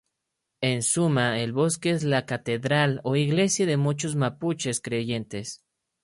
En suma el bosque es la catedral o iglesia de muchos mapuches creyentes.